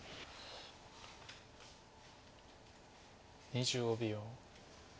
２５秒。